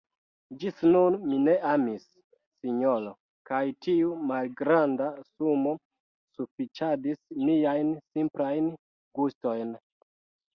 Ĝis nun, mi ne amis, sinjoro, kaj tiu malgranda sumo sufiĉadis miajn simplajn gustojn.